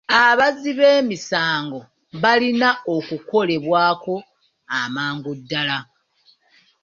Abazzi b'emisango balina okukolebwako amangu ddaala.